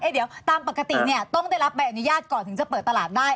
เดี๋ยวตามปกติเนี่ยต้องได้รับใบอนุญาตก่อนถึงจะเปิดตลาดได้